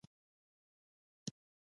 آزاد تجارت مهم دی ځکه چې موبایلونه ارزانوي.